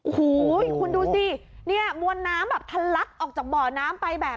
หู้ดูสิเนี่ยมวลน้ำเลิกทัลลักออกจากหม่อน้ำไปแบบ